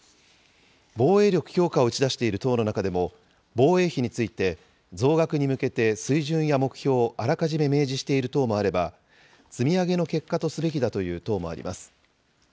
防衛力強化を打ち出している党の中でも、防衛費について増額に向けて水準や目標をあらかじめ明示している党もあれば、積み上げの結果とすべきだという党もあります。